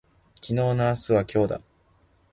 昨日の明日は今日だ